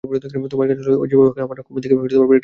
তোমার কাজ হলো যেভাবেই হোক আমার কফিন থেকে পেরেকটা তুলে ফেলা।